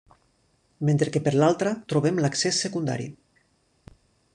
Mentre que per l’altra, trobem l’accés secundari.